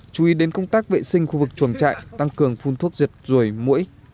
chú ý đến công tác vệ sinh khu vực chuồng trại tăng cường phun thuốc diệt ruồi mũi